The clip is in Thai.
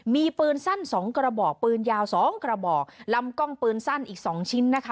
มีปืนสั้นสองกระบอกปืนยาวสองกระบอกลำกล้องปืนสั้นอีก๒ชิ้นนะคะ